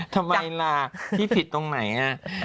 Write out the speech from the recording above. ทำไมล่ะพี่ผิดตรงไหน